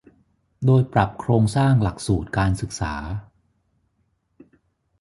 โดยปรับโครงสร้างหลักสูตรการศึกษา